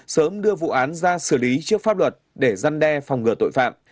sớm đưa vụ án ra xử lý trước pháp luật để giăn đe phòng ngừa tội phạm